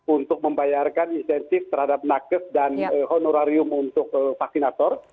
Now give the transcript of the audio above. untuk membayarkan insentif terhadap nakes dan honorarium untuk vaksinator